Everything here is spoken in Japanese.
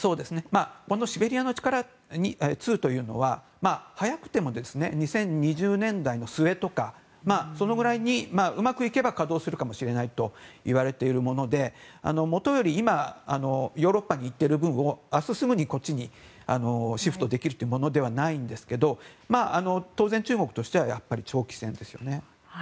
このシベリアの力２というのは早くても２０２０年代の末とかそのぐらいにうまくいけば稼働するかもしれないといわれているものでもとより今、ヨーロッパにいってる分を明日すぐにこっちにシフトできるというものではないんですけれど当然、中国としては長期戦ですよね。